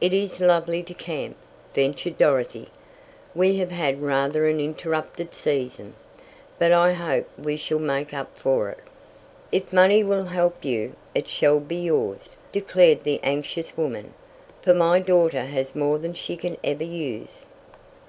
"It is lovely to camp," ventured Dorothy. "We have had rather an interrupted season, but I hope now we shall make up for it." "If money will help you, it shall be yours," declared the anxious woman, "for my daughter has more than she can ever use."